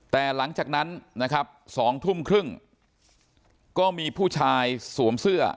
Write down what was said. แต่หลังจากนั้นนะครับ๒ทุ่มครึ่งก็มีผู้ชายสวมเสื้อ